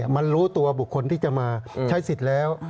มันรู้ตัวบุคคลที่จะมาใช้สิทธิ์แล้ว